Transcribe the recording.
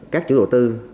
các chủ đầu tư